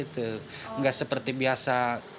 tidak seperti biasa